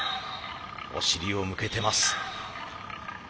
お尻を向けてます。